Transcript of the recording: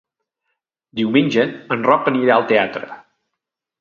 Diumenge en Roc anirà al teatre.